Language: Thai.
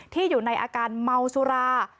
อยู่ในอาการเมาสุรา